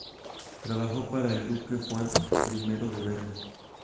Trabajó para el duque Juan I de Berry.